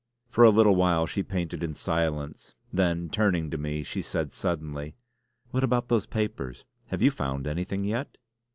For a little while she painted in silence: then turning to me she said suddenly: "What about those papers? Have you found anything yet?"